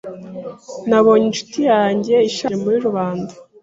Nabonye inshuti yanjye ishaje muri rubanda.